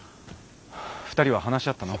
２人は話し合ったの？